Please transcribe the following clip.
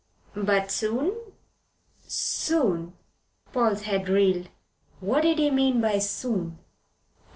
"But soon?" "Soon?" Paul's head reeled. What did he mean by soon?